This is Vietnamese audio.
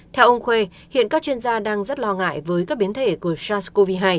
theo ông khuê hiện các chuyên gia đang rất lo ngại với các biến thể của sars cov hai